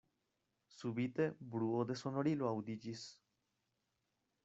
Subite bruo de sonorilo aŭdiĝis.